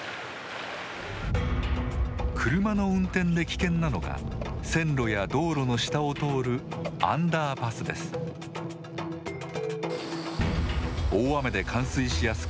車の運転で危険なのが線路や道路の下を通るアンダーパスです。